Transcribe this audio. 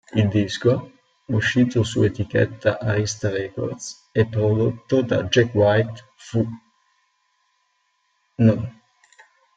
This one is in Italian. Il disco, uscito su etichetta Arista Records e prodotto da Jack White, fu nr.